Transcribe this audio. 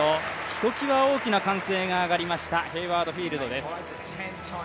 ひときわ大きな歓声が上がりましたヘイワード・フィールドです。